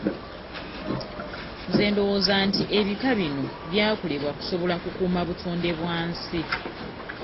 Nze ndowooza nti ebika bino byakolebwa kusobola kukuuma butonde bwa nsi.